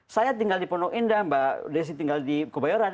saya tinggal di pondok indah mbak desi tinggal di kebayoran